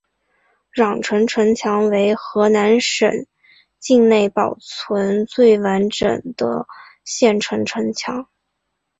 襄城城墙为河南省境内保存最完整的县城城墙。